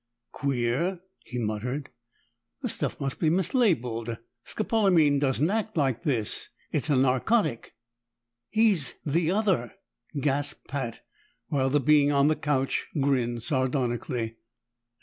"Queer!" he muttered. "The stuff must be mislabeled. Scopolamine doesn't act like this; it's a narcotic." "He's the other!" gasped Pat, while the being on the couch grinned sardonically.